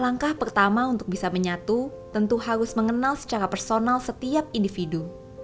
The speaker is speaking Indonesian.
langkah pertama untuk bisa menyatu tentu harus mengenal secara personal setiap individu